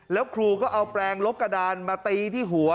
แล้วครูก็เอาแปลงลบกระดานมาตีที่หัว